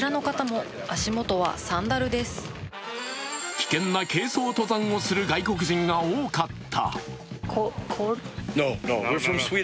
危険な軽装登山をする外国人が多かった。